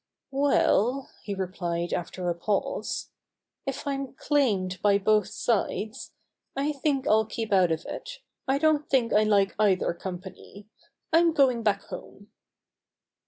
"Well," he replied after a pause, "if I'm claimed by both sides, I think I'll keep out of it. I don't think I like either company. I'm going back home."